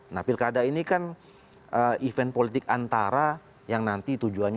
nah pilkada ini kan event politik antara yang nanti tujuannya